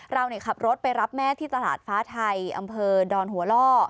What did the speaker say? เราขับรถไปรับแม่ที่ตลาดฟ้าไทยอำเภอดอนหัวล่อ